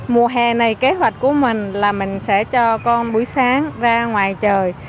mùa hè này kế hoạch của mình là mình sẽ cho con buổi sáng ra ngoài trời